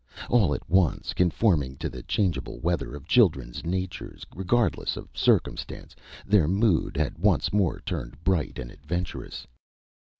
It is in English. All at once, conforming to the changeable weather of children's natures regardless of circumstance, their mood had once more turned bright and adventurous.